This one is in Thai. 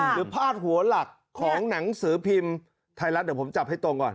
พาดหัวหลักของหนังสือพิมพ์ไทยรัฐเดี๋ยวผมจับให้ตรงก่อน